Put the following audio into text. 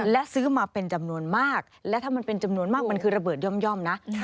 และซื้อมาเป็นจำนวนมากและถ้ามันเป็นจำนวนมากมันคือระเบิดย่อมนะ